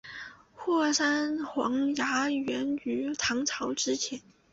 霍山黄芽源于唐朝之前。